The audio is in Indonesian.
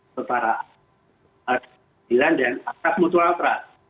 setara asas kebijakan dan asas mutual trust